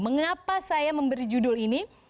mengapa saya memberi judul ini